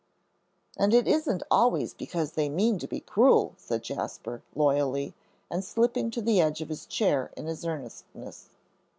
"And it isn't always because they mean to be cruel," said Jasper, loyally, and slipping to the edge of his chair in his earnestness.